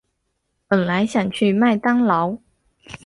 本来想去麦当劳